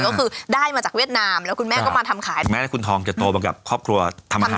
ก็คือได้มาจากเวียดนามแล้วคุณแม่ก็มาทำขายแม้แต่คุณทองจะโตมากับครอบครัวทำอาหาร